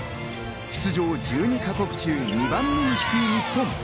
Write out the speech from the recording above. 通常１２か国中２番目に低い日本。